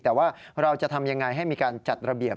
แต่ว่าเราจะทำยังไงให้มีการจัดระเบียบ